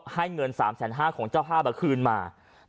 ให้เงินสามแสนห้าของเจ้าภาพบัคคืนมา